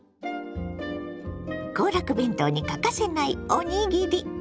行楽弁当に欠かせないおにぎり。